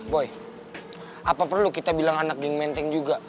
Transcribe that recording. boy apa perlu kita bilang anak ging menteng juga